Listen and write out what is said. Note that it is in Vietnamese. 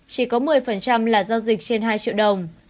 chỉ có một mươi là giao dịch trên hai triệu đồng